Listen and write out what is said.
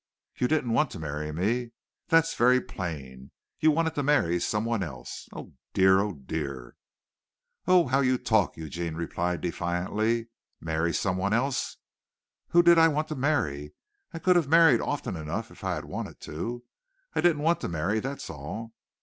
You didn't want to marry me. That's very plain. You wanted to marry someone else. Oh, dear! oh, dear!" "Oh, how you talk!" replied Eugene defiantly. "Marry someone else! Who did I want to marry? I could have married often enough if I had wanted to. I didn't want to marry, that's all.